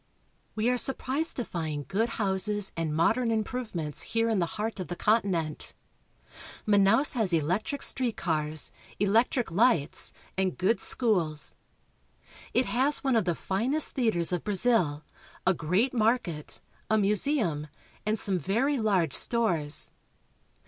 We are surprised to find good houses and modern im provements here in the heart of the continent. Manaos 326 BRAZIL. has electric street cars, electric lights, and good schools. It has one of the finest theaters of Brazil, a great market, a museum, and some very large stores.